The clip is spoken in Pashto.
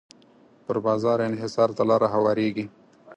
پر بازار انحصار ته لاره هواریږي.